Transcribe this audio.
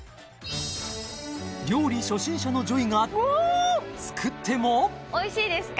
料理初心者のＪＯＹが作ってもおいしいですか？